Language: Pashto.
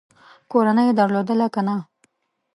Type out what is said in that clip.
کورنۍ یې درلودله که نه ؟